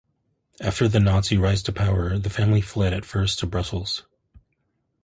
After the Nazi rise to power, the family fled at first to Brussels.